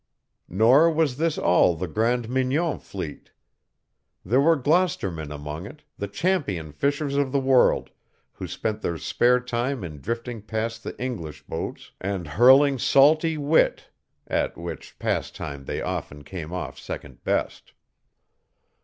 Nor was this all the Grande Mignon fleet. There were Gloucestermen among it, the champion fishers of the world, who spent their spare time in drifting past the English boats and hurling salty wit at which pastime they often came off second best.